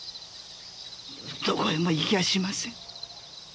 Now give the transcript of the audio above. どこへも行きゃしません。